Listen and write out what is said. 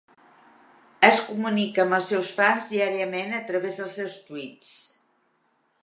Es comunica amb els seus fans diàriament a través dels seus tweets.